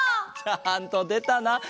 ちゃんとでたな。